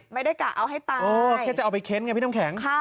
ไม่ได้กะเอาให้ตายเออแค่จะเอาไปเข้นไงพี่น้องแข็งค่ะ